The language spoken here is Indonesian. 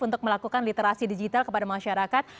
untuk melakukan literasi digital kepada masyarakat